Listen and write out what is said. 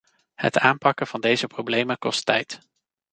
Het aanpakken van deze problemen kost tijd.